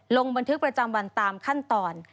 ลงบันทึกประจำวันตามขั้นตอน